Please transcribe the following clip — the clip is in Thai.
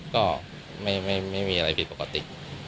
ก็ไม่มีอะไรผิดปกติ